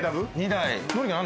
２台。